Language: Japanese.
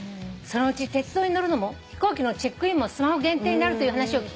「そのうち鉄道に乗るのも飛行機のチェックインもスマホ限定になるという話を聞きます」